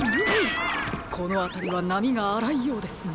このあたりはなみがあらいようですね。